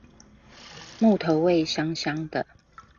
木頭味香香的